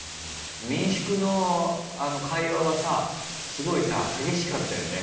民宿のあの会話はさすごいさ激しかったよね。